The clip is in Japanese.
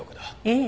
ええ。